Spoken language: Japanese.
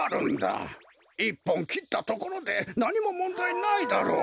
１ぽんきったところでなにももんだいないだろう。